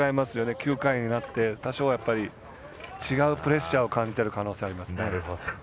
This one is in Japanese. ９回になって多少違うプレッシャーを感じている可能性があります。